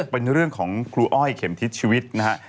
เป็นเรื่องของครูอ้อยเข็มทิศชีวิตนะฮะ